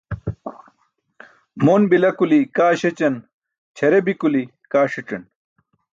Mon bila kuli kaa śećan, ćʰare bi kuli kaa ṣic̣an.